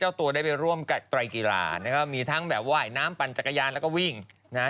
ตัวได้ไปร่วมกับไตรกีฬานะครับมีทั้งแบบว่ายน้ำปั่นจักรยานแล้วก็วิ่งนะฮะ